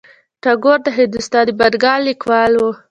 ټاګور د هندوستان د بنګال لیکوال و.